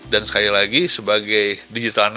dan sekali lagi sebagai digital network